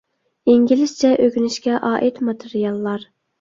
ئىنگلىزچە ئۆگىنىشكە ئائىت ماتېرىياللار